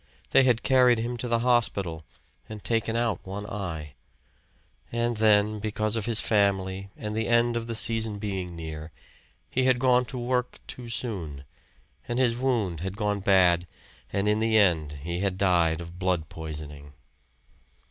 They had carried him to the hospital and taken out one eye. And then, because of his family and the end of the season being near, he had gone to work too soon, and his wound had gone bad, and in the end he had died of blood poisoning.